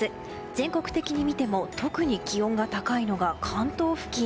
全国的に見ても特に気温が高いのが関東付近。